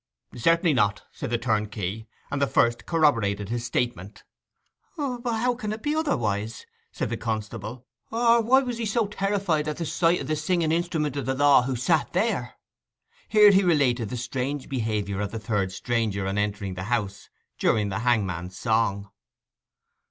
'Certainly not,' said the turnkey; and the first corroborated his statement. 'But how can it be otherwise?' asked the constable. 'Or why was he so terrified at sight o' the singing instrument of the law who sat there?' Here he related the strange behaviour of the third stranger on entering the house during the hangman's song.